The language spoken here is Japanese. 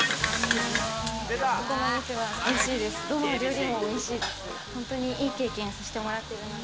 どの料理もおいしいです。